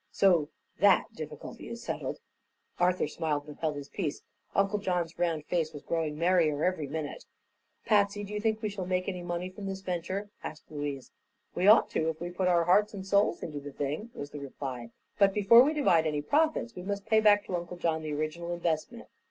So that difficulty is settled." Arthur smiled, but held his peace. Uncle John's round face was growing merrier every minute. "Patsy, do you think we shall make any money from this venture?" asked Louise. "We ought to, if we put our hearts and souls into the thing," was the reply. "But before we divide any profits we must pay back to Uncle John the original investment."